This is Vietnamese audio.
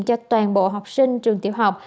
cho toàn bộ học sinh trường tiểu học